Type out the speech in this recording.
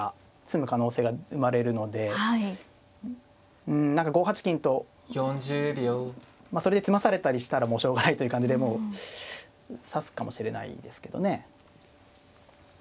うん何か５八金とまあそれで詰まされたりしたらもうしょうがないという感じでもう指すかもしれないですけどね。